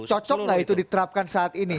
cocok nggak itu diterapkan saat ini